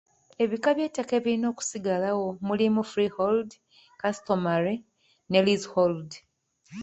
Ebika by'ettaka ebirina okusigalawo mulimu; freehold, customary ne leasehold.